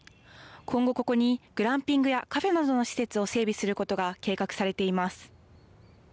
今後、ここにグランピングやカフェなどの施設を整備することが計画されています。